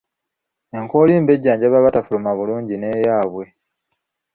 Enkoolimbo ejanjjaba abatafuluma bulungi n'eyaabwe.